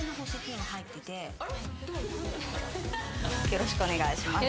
よろしくお願いします。